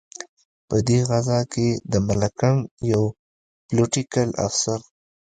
په دې غزا کې د ملکنډ یو پلوټیکل افسر.